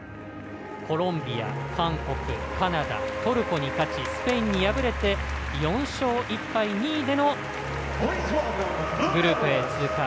コロンビア、韓国、カナダトルコに勝ちスペインに敗れて、４勝１敗２位でのグループＡ通過。